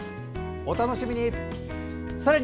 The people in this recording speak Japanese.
お楽しみに。